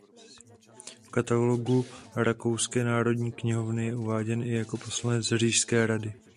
V katalogu rakouské národní knihovny je uváděn i jako poslanec Říšské rady.